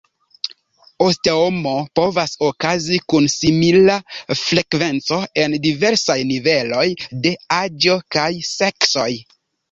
Osteomo povas okazi kun simila frekvenco en la diversaj niveloj de aĝo kaj seksoj.